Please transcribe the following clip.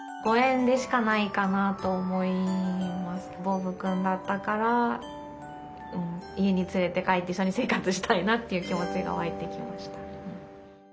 ボブくんだったから家に連れて帰って一緒に生活したいなという気持ちが湧いてきました。